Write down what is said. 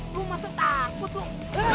lo masih takut dong